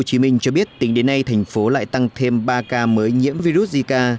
tình cho biết tính đến nay thành phố lại tăng thêm ba ca mới nhiễm virus zika